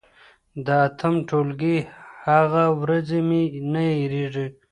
د اتم ټولګي هغه ورځې مي نه هېرېږي.